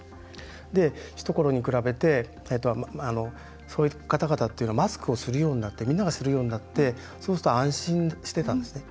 ひところに比べてそういう方々っていうのはマスクをするようになってみんながするようになってそうすると安心してたんですね。